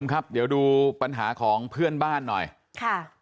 ครับเดี๋ยวดูปัญหาของเพื่อนบ้านหน่อยค่ะ